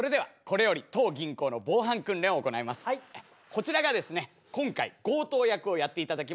こちらがですね今回強盗役をやっていただきます